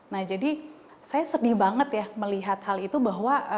nah jadi saya sedih banget ya melihat hal itu bahwa